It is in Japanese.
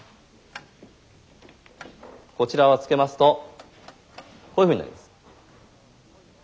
こちらをつけますとこういうふうになります。